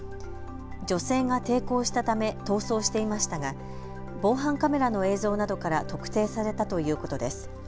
女性が抵抗したため逃走していましたが防犯カメラの映像などから特定されたということです。